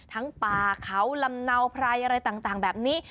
ป่าเขาลำเนาไพรอะไรต่างแบบนี้